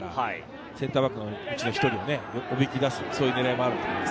センターバックの１人をおびき出す、そういう狙いがあると思います。